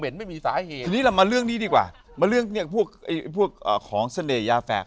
ทีนี้เรามาเรื่องนี้ดีกว่ามาเรื่องพวกของเสน่ห์ยาแฝด